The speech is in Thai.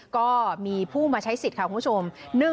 ก็มีผู้มาใช้สิทธิ์ค่ะคุณผู้ชม